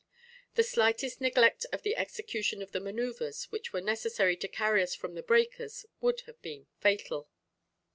The slightest neglect in the execution of the manoeuvres which were necessary to carry us from the breakers would have been fatal."